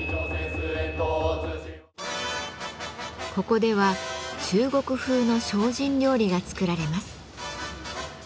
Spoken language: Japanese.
ここでは中国風の精進料理が作られます。